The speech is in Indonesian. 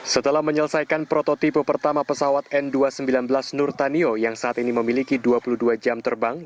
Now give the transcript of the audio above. setelah menyelesaikan prototipe pertama pesawat n dua ratus sembilan belas nurtanio yang saat ini memiliki dua puluh dua jam terbang